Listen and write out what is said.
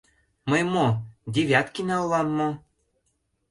Мый мо — Девяткина улам мо?